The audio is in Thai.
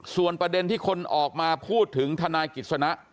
ส่วนประเด็นที่คนออกมาพูดถึงทนายกิจสนะ